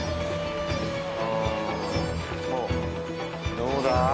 どうだ？